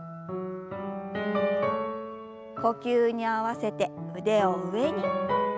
呼吸に合わせて腕を上に。